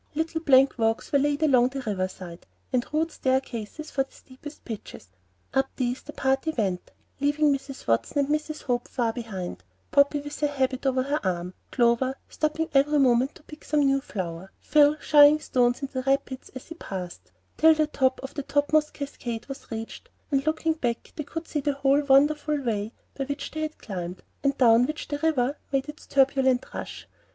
Little plank walks are laid along the river side, and rude staircases for the steepest pitches. Up these the party went, leaving Mrs. Watson and Mrs. Hope far behind, Poppy with her habit over her arm, Clover stopping every other moment to pick some new flower, Phil shying stones into the rapids as he passed, till the top of the topmost cascade was reached, and looking back they could see the whole wonderful way by which they had climbed, and down which the river made its turbulent rush.